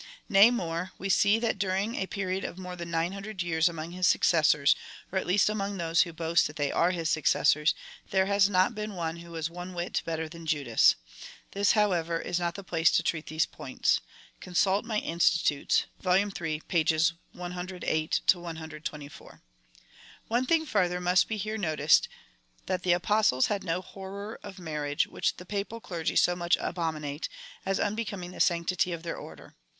Nay more, we see that during a period of more than nine hundred years among his successors, or at least among those wdio boast that they are his successors, there lias not been one who was one Avliit better than Judas. This, however, is not the place to treat of these points. Consult my Institutes, (vol. iii. pp. 108 124) One thing farther must here be noticed, that the Apostles had no horror of marriage, which the Papal clergy so much abominate, as unbecoming the sanctity of their order.